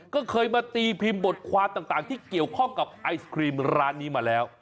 ก็เคยมาตีพิมพ์บทความต่างที่เกี่ยวข้องกับไอศครีมร้านนี้มาแล้ว